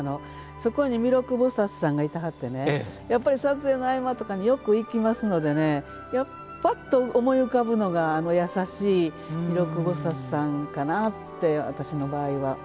そこに弥勒菩薩さんがいてはってねやっぱり撮影の合間とかによく行きますのでねぱっと思い浮かぶのが優しい弥勒菩薩さんかなって私の場合は。